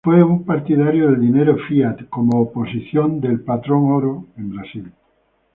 Él fue un partidario del dinero fiat, como oposición del patrón oro, en Brasil.